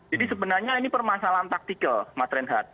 jadi sebenarnya ini permasalahan taktikal mas renhat